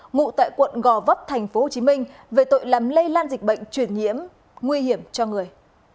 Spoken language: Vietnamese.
ngụ tại quận gò vấp tp hcm về tội làm lây lan dịch bệnh truyền nhiễm nguy hiểm cho người